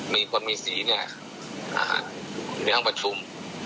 มีคนมีสีเนี่ยมีห้องประชุม